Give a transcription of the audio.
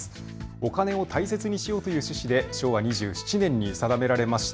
お金を大切にしようという趣旨で昭和２７年に定められました。